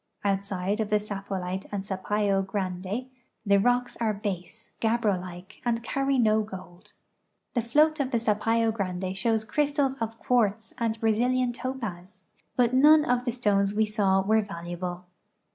Outside of the Sapollite and Sapayo Grande the rocks are base, gabbro like, and carry no gold. The float of the Sapayo Grande shows crystals of quartz and Brazilian topaz, but none of the stones we saw were valuable.